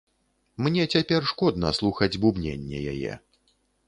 Мне цяпер шкодна слухаць бубненне яе.